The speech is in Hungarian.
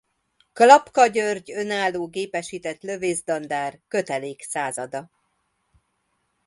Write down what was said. Klapka György Önálló Gépesített Lövészdandár kötelék százada.